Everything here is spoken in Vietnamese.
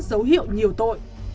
dấu hiệu nhiều tội